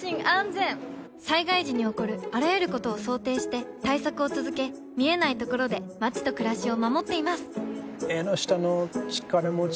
災害時に起こるあらゆることを想定して対策を続け見えないところで街と暮らしを守っていますエンノシタノチカラモチ？